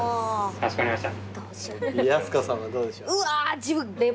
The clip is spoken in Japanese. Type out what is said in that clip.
かしこまりました。